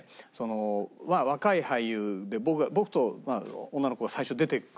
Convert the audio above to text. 若い俳優で僕と女の子が最初出てくると。